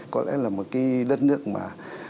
có lẽ là một cái đất nước mà